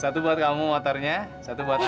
satu buat kamu motornya satu buat aku